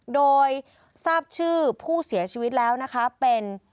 โดยทราบชื่อผู้เสียชีวิตแล้วนะคะเป็น